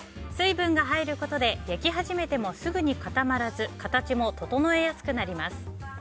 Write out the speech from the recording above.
水分が入ることで焼き始めてもすぐに固まらず形も整えやすくなります。